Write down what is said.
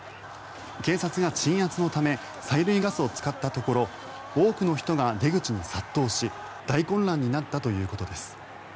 警察が鎮圧のため催涙ガスを使ったところ多くの人が出口に殺到し大混乱になったということです。